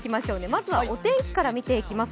まずはお天気から見ていきます。